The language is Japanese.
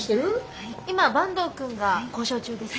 今坂東くんが交渉中です。